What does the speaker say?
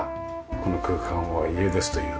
この空間は家ですというね